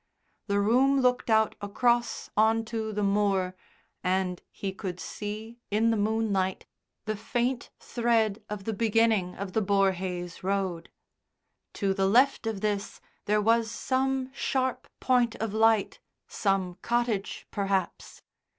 The room looked out across on to the moor, and he could see, in the moonlight, the faint thread of the beginning of the Borhaze Road. To the left of this there was some sharp point of light, some cottage perhaps.